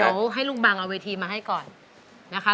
เดี๋ยวให้ลุงบังเอาเวทีมาให้ก่อนนะคะ